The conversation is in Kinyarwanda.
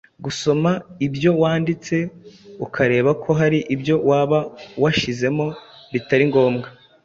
Gusoma ibyo wanditse ukareba ko hari ibyo waba washyizemo bitari ngombwa